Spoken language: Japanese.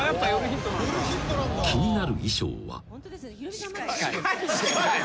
［気になる衣装は］